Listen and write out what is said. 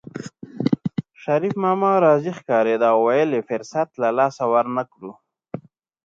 شريف ماما راضي ښکارېده او ویل یې فرصت له لاسه ورنکړو